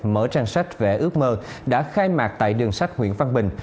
mở trang sách về ước mơ đã khai mạc tại đường sách nguyễn văn bình